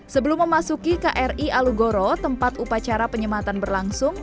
sebelum memasuki kri alugoro tempat upacara penyematan berlangsung